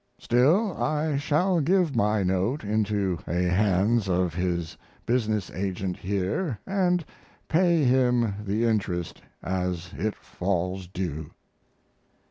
Still, I shall give my note into a hands of his business agent here, and pay him the interest as it falls due.